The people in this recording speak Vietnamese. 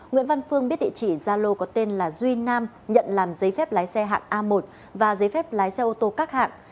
nguyễn văn phương biết địa chỉ gia lô có tên là duy nam nhận làm giấy phép lái xe hạng a một và giấy phép lái xe ô tô các hạng